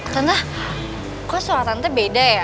tante kok suara tante beda ya